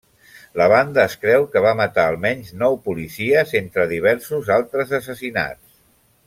La banda es creu que va matar a almenys nou policies, entre diversos altres assassinats.